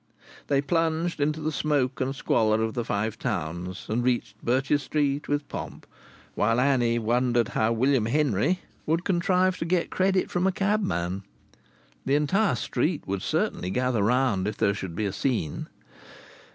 They plunged into the smoke and squalor of the Five Towns, and reached Birches Street with pomp, while Annie wondered how William Henry would contrive to get credit from a cabman. The entire street would certainly gather round if there should be a scene.